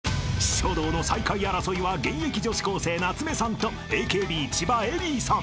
［書道の最下位争いは現役女子高生夏目さんとＡＫＢ千葉恵里さん］